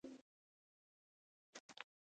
د ګومبتې کار تر اوسه بشپړ شوی نه دی.